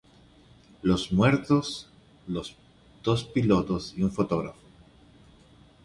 Los muertos los dos pilotos, y un fotógrafo.